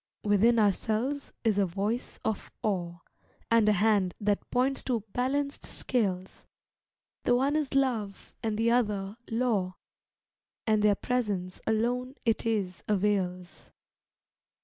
Within ourselves is a voice of Awe, And a hand that points to Balanced Scales; The one is Love and the other Law, And their presence alone it is avails.